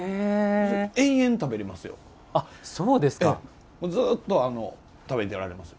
延々と食べれますよ。